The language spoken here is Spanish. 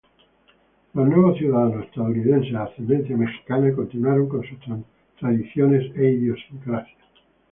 Los nuevos ciudadanos estadounidenses de ascendencia mexicana continuaron con sus tradiciones e idiosincrasia culturales.